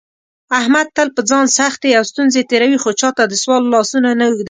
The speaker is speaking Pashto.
احمد تل په ځان سختې او ستونزې تېروي، خو چاته دسوال لاسونه نه اوږدوي.